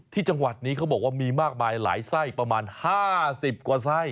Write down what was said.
ที่จังหวัดนี้เขาบอกว่ามีมากมายหลายไส้ประมาณ๕๐กว่าไส้